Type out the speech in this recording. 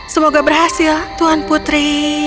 semoga berhasil tuan putri